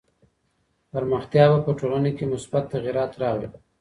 پرمختيا به په ټولنه کي مثبت تغيرات راولي.